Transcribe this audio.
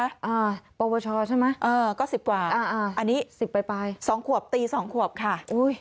อ่าปกประชาชน์ใช่ไหมอ่าก็๑๐กว่าอันนี้๑๐ปลาย๒ขวบตี๒ขวบค่ะ